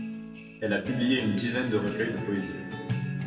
Elle a publié une dizaine de recueils de poésie.